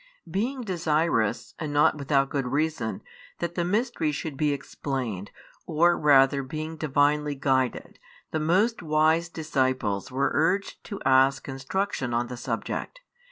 Being desirous (and not without good reason) that the mystery should be explained, or rather being Divinely guided, the most wise disciples were urged to ask instruction on the subject.